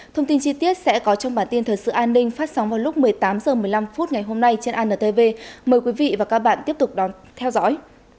thông tin chi tiết sẽ có trong bản tin thời sự an ninh phát sóng vào lúc một mươi tám h một mươi năm phút ngày hôm nay trên antv mời quý vị và các bạn tiếp tục theo dõi